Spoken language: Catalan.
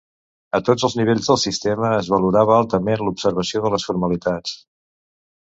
A tots els nivells del sistema es valorava altament l'observació de les formalitats.